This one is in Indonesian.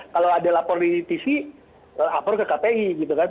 kalau ada lapor di tv lapor ke kpi gitu kan